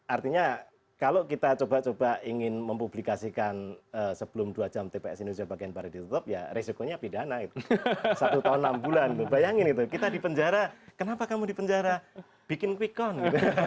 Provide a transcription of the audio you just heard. artinya kalau kita coba coba ingin mempublikasikan sebelum dua jam tps indonesia bagian barat ditutup ya resikonya pidana gitu satu tahun enam bulan bayangin gitu kita di penjara kenapa kamu di penjara bikin quick count